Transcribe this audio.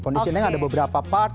conditioning ada beberapa part